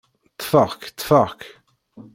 Ṭṭfeɣ-k, ṭṭfeɣ-k.